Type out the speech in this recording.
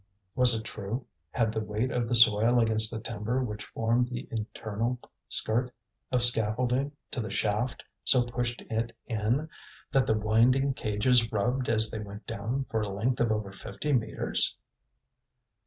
Was it true? Had the weight of the soil against the timber which formed the internal skirt of scaffolding to the shaft so pushed it in that the winding cages rubbed as they went down for a length of over fifty metres?